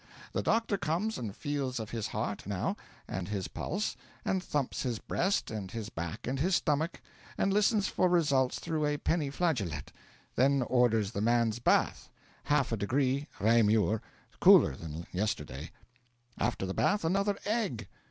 The doctor comes and feels of his heart, now, and his pulse, and thumps his breast and his back and his stomach, and listens for results through a penny flageolet; then orders the man's bath half a degree, Reaumur, cooler than yesterday. After the bath another egg.